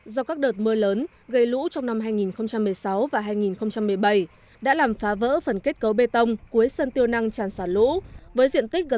do các đợt mưa lớn gây lũ trong năm hai nghìn một mươi sáu và hai nghìn một mươi bảy đã làm phá vỡ phần kết cấu bê tông cuối sân tiêu năng tràn xả lũ với diện tích gần